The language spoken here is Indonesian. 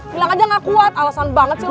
bilang aja gak kuat alasan banget sih